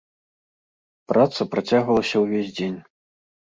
Праца працягвалася ўвесь дзень.